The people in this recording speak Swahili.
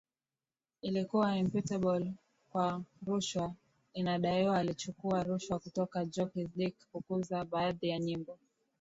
ilikuwa imputable kwa rushwa inadaiwa alichukua rushwa kutoka jockeys disc kukuza baadhi ya nyimbo